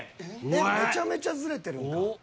めちゃめちゃズレてるやんか。